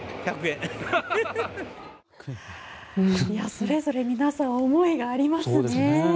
それぞれ皆さん思いがありますね。